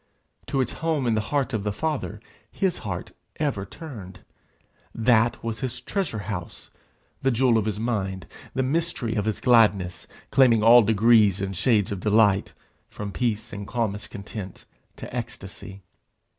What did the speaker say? To its home in the heart of the Father his heart ever turned. That was his treasure house, the jewel of his mind, the mystery of his gladness, claiming all degrees and shades of delight, from peace and calmest content to ecstasy.